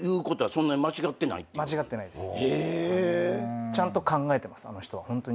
間違ってないです。